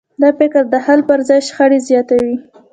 دا فکر د حل پر ځای شخړې زیاتوي.